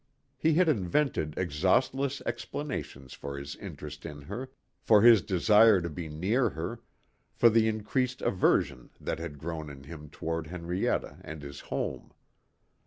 He had invented exhaustless explanations for his interest in her, for his desire to be near her, for the increased aversion that had grown in him toward Henrietta and his home.